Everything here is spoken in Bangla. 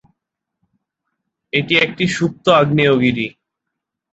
এটি একটি সুপ্ত আগ্নেয়গিরি।